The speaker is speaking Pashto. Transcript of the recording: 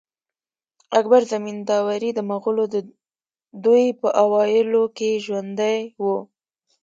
اکبر زمینداوری د مغلو د دوې په اوایلو کښي ژوندی وو.